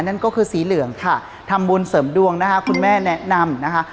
นั่นก็คือสีเหลืองค่ะทำบุญเสริมดวงนะคะคุณแม่แนะนำนะคะ